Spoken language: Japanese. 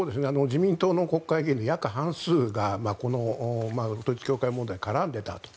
自民党の国会議員の約半数がこの統一教会問題に絡んでいたと。